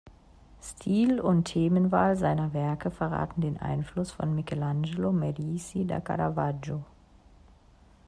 Stil und Themenwahl seiner Werke verraten den Einfluss von Michelangelo Merisi da Caravaggio.